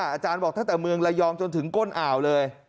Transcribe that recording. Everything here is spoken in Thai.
อาจารย์บอกตั้งแต่เมืองระยองจนถึงก้นอ่าวเลย